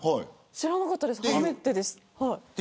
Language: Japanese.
知らなかったです。